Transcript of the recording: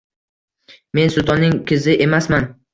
Men sultonning kizi emasman